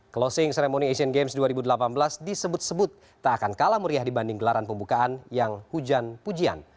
closing ceremony asian games dua ribu delapan belas disebut sebut tak akan kalah meriah dibanding gelaran pembukaan yang hujan pujian